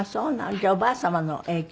じゃあおばあ様の影響。